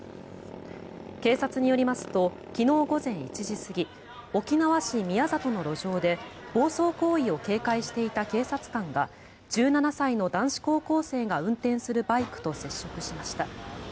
警察によりますと昨日午前１時過ぎ沖縄市宮里の路上で暴走行為を警戒していた警察官が１７歳の男子高校生が運転するバイクと接触しました。